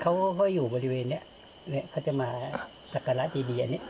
เขาก็อยู่บริเวณนี้เขาจะมาสักการะดีดีอันนี้